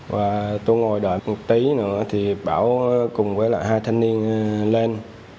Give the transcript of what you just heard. và tôi ngồi đợi một tí nữa thì bảo cùng với lại hai thanh niên lên